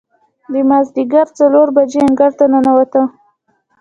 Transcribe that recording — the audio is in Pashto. د مازدیګر څلور بجې انګړ ته ننوتو.